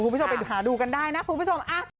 คุณผู้ชมไปหาดูกันได้นะคุณผู้ชม